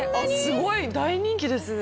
すごい大人気ですね